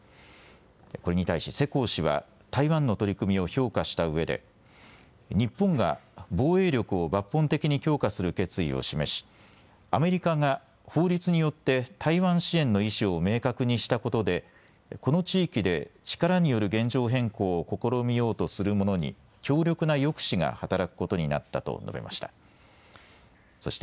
これに対し世耕氏は台湾の取り組みを評価したうえで日本が防衛力を抜本的に強化する決意を示しアメリカが法律によって台湾支援の意思を明確にしたことで、この地域で力による現状変更を試みようとする者に強力な抑止が働くことになったと述べました。